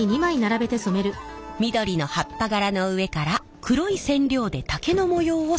緑の葉っぱ柄の上から黒い染料で竹の模様を染め上げます。